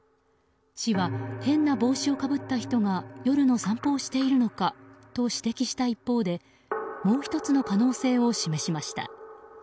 市は変な帽子をかぶった人が夜の散歩をしているのかと指摘した一方でもう１つの可能性を示しました。